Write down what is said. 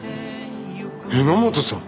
榎本さん！？